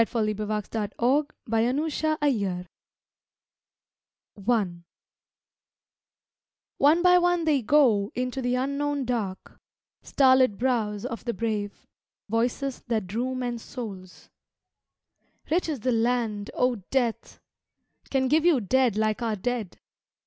MONODY ON THE DEATH OF WENDELL PHILLIPS I One by one they go Into the unknown dark Star lit brows of the brave, Voices that drew men's souls. Rich is the land, O Death! Can give you dead like our dead!